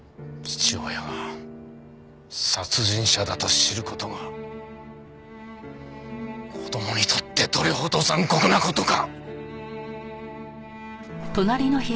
父親が殺人者だと知る事が子供にとってどれほど残酷な事か！